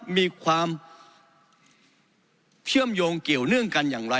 มีความเชื่อมโยงเกี่ยวเนื่องกันอย่างไร